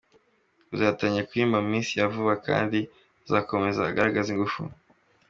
kuzatangira kuririmba mu minsi ya vuba kandi azakomeza agaragaze ingufu.